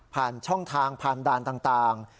ผ่านช่องทางผ่านด่านต่าง